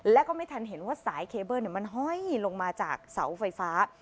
แล้วก็ไม่ทันเห็นว่าสายเคเบิ้ลมันห้อยลงมาจากเสาไฟฟ้า